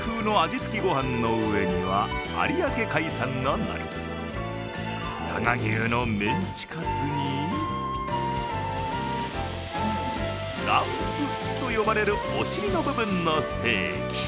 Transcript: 付きご飯の上には有明海産ののり、佐賀牛のメンチカツにランプと呼ばれるお尻の部分のステーキ。